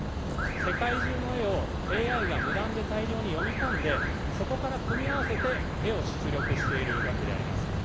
世界中の絵を、ＡＩが無断で大量に読み込んで、そこから組み合わせて絵を出力しているわけであります。